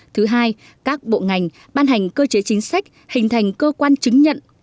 thứ hai các bộ ngành ban hành cơ chế chính sách hình thành cơ quan chứng nhận